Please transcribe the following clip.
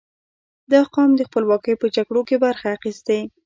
• دا قوم د خپلواکۍ په جګړو کې برخه اخیستې.